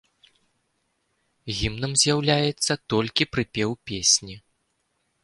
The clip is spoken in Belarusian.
Гімнам з'яўляецца толькі прыпеў песні.